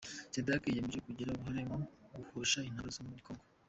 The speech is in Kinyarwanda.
Sadake yiyemeje kugira uruhare mu guhosha intambara zo muri kongo